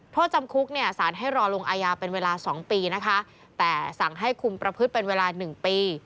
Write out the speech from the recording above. โทษจำคุกเนี่ยสารให้รอลงอายาเป็นเวลา๒ปีนะคะแต่สั่งให้คุมประพฤติเป็นเวลา๑ปี